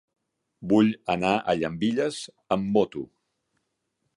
Vull anar a Llambilles amb moto.